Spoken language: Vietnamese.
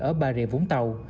ở bà rịa vũng tàu